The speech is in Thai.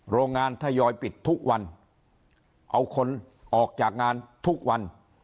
โรงงานทยอยปิดทุกวันเอาคนออกจากงานทุกวัน